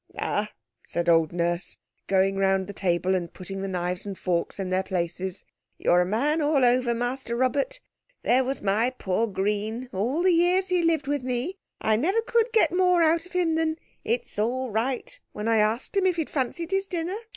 "Ah!" said old Nurse, going round the table and putting the knives and forks in their places; "you're a man all over, Master Robert. There was my poor Green, all the years he lived with me I never could get more out of him than 'It's all right!' when I asked him if he'd fancied his dinner.